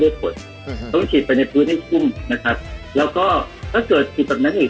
ต้องฉีดไปในพื้นให้ขึ้นนะครับแล้วก็ถ้าเกิดผิดแบบนั้นอีก